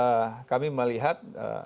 karena kami melihat